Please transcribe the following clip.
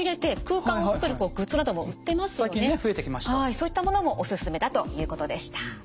そういったものもおすすめだということでした。